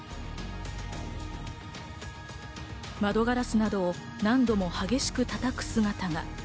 窓ガラスなどを何度も激しくたたく姿が。